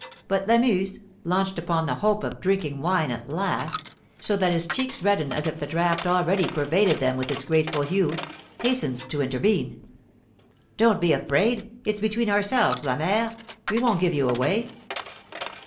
But Lamuse, launched upon the hope of drinking wine at last, so that his cheeks redden as if the draught already pervaded them with its grateful hue, hastens to intervene "Don't be afraid it's between ourselves, la mere, we won't give you away."